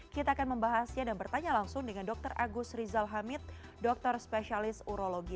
kita akan membahasnya dan bertanya langsung dengan dr agus rizal hamid dokter spesialis urologi